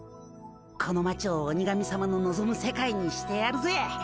この町を鬼神さまののぞむ世界にしてやるぜ。